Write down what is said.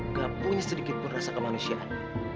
gak punya sedikit pun rasa kemanusiaan